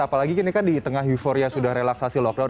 apalagi kini kan di tengah euforia sudah relaksasi lockdown